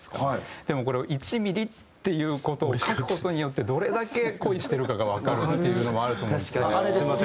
でもこれを「１ｍｍ」っていう事を書く事によってどれだけ恋してるかがわかるっていうのもあると思うんですね。